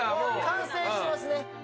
完成してますね。